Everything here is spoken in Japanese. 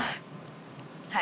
はい。